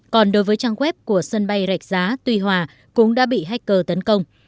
còn đối với trang web của sân bay rạch giá tuy hòa cũng đã bị hacker tấn công